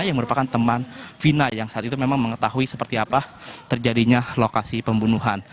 yang merupakan teman fina yang saat itu memang mengetahui seperti apa terjadinya lokasi pembunuhan